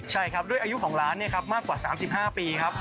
ใช่ครับด้วยอายุของร้านมากกว่า๓๕ปีครับ